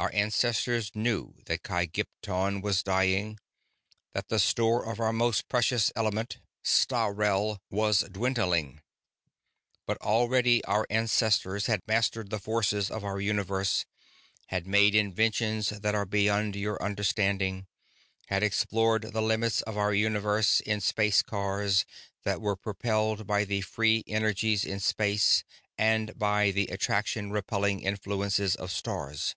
Our ancestors knew that Kygpton was dying, that the store of our most precious element Sthalreh was dwindling. But already our ancestors had mastered the forces of our universe, had made inventions that are beyond your understanding, had explored the limits of our universe in space cars that were propelled by the free energies in space and by the attracting repelling influences of stars.